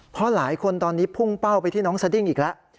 เพราะหลายคนตอนนี้พุ่งเป้าไปที่น้องสดิ้งอีกแล้ว